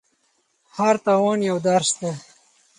هر تاوان یو درس دی.